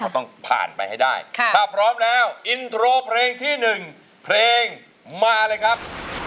ต้องผ่านไปให้ได้ถ้าพร้อมแล้วอินโทรเพลงที่๑เพลงมาเลยครับ